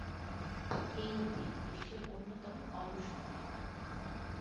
এই নদী বিশ্বের অন্যতম অলস নদী।